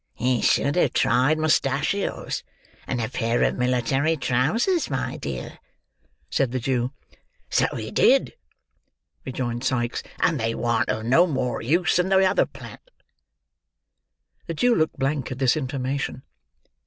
"He should have tried mustachios and a pair of military trousers, my dear," said the Jew. "So he did," rejoined Sikes, "and they warn't of no more use than the other plant." The Jew looked blank at this information.